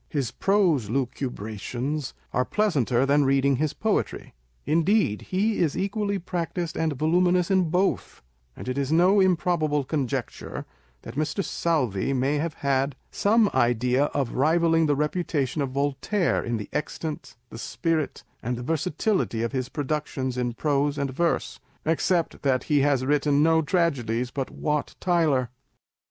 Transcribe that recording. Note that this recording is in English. His prose lucubrations are pleasanter reading than his poetry. Indeed he is equally practised and voluminous in both ; and it is no improbable conjecture, that Mr. Southey may have had some idea of rivalling the reputation of Voltaire in the extent, the spirit, and the versatility of his productions in prose and verse, except that he has written no tragedies but Wat Tyler